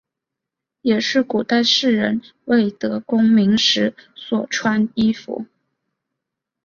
也是古代士人未得功名时所穿衣服。